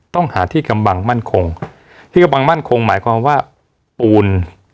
ต้องหาที่กำบังมั่นคงที่กำบังมั่นคงหมายความว่าปูน